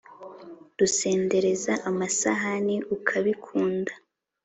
Rusendereza amasahani ukabikunda,